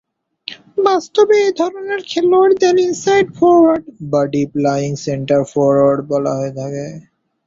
বাস্তবে, এ ধরনের খেলোয়াড়দের ইনসাইড ফরোয়ার্ড বা ডিপ-লায়িং সেন্টার ফরোয়ার্ড বলা হয়ে থাকে।